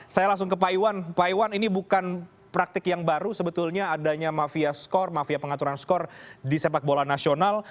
saya langsung ke pak iwan pak iwan ini bukan praktik yang baru sebetulnya adanya mafia skor mafia pengaturan skor di sepak bola nasional